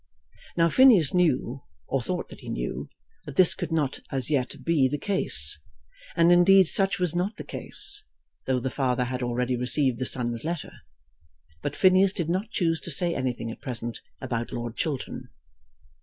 Now Phineas knew, or thought that he knew, that this could not as yet be the case; and indeed such was not the case, though the father had already received the son's letter. But Phineas did not choose to say anything at present about Lord Chiltern.